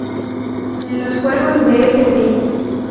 En los Juegos de St.